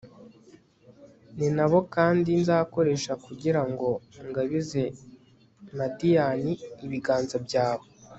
ni na bo kandi nzakoresha kugira ngo ngabize madiyani ibiganza byawe